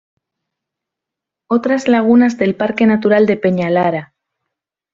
Otras lagunas del Parque Natural de Peñalara